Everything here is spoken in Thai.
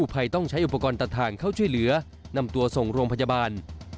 ภัยต้องใช้อุปกรณ์ตัดทางเข้าช่วยเหลือนำตัวส่งโรงพยาบาล